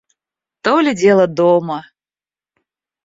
То ли дело дома!